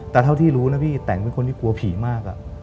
แต่เท่าที่รู้นะพี่แต่งเป็นคนที่กลัวผีมาก